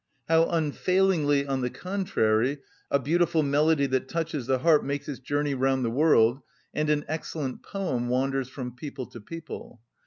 How unfailingly, on the contrary, a beautiful melody that touches the heart makes its journey round the world, and an excellent poem wanders from people to people.